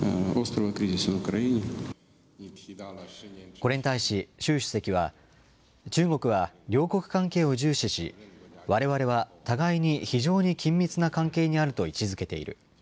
これに対し、習主席は中国は両国関係を重視し、われわれは互いに非常に緊密な関係にあると位置づけている。